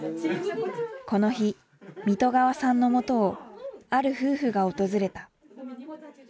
この日水戸川さんのもとをある夫婦が訪れた。